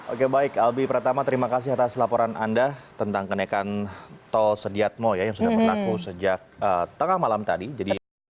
oke baik albi pratama terima kasih atas laporan anda tentang kenaikan tol sediatmo yang sudah berlaku sejak tengah malam tadi